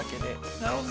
◆なるほどね。